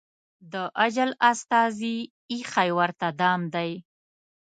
د اجل استازي ایښی ورته دام دی